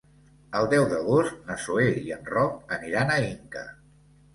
El deu d'agost na Zoè i en Roc aniran a Inca.